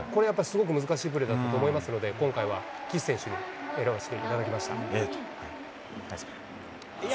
これやっぱりすごく難しいプレーだったと思いますので、今回は岸選手を選ばせていただきナイスプレー。